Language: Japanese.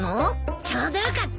ちょうどよかった。